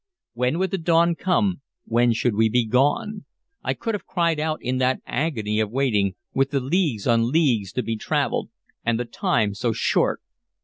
When would the dawn come, when should we be gone? I could have cried out in that agony of waiting, with the leagues on leagues to be traveled, and the time so short!